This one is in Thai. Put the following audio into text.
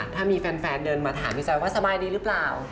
ถ้ามีแฟนเดินมาถามพี่แจ๊ว่าสบายดีหรือเปล่า